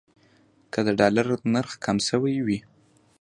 که د ډالر نرخ کم شوی وي.